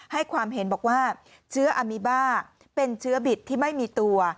ให้ความเห็นบอกว่าเชื้ออามีบ้าเป็นเชื้อบิดที่ไม่มีตัว